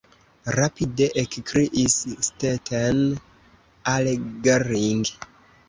rapide ekkriis Stetten al Gering.